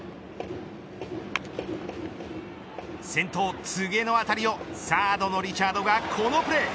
先頭、柘植の当たりをサードのリチャードがこのプレー。